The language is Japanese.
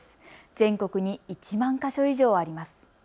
全国に１万か所以上あります。